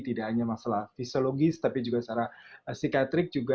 tidak hanya masalah fisiologis tapi juga secara psikiatrik juga